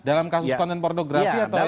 dalam kasus konten pornografi atau